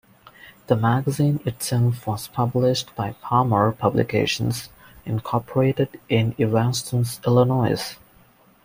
The magazine itself was published by Palmer Publications, Incorporated in Evanston, Illinois.